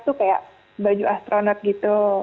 tuh kayak baju astronot gitu